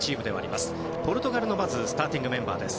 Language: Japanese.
まずポルトガルのスターティングメンバーです。